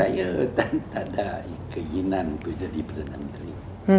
saya tak ada keinginan untuk jadi perdana menteri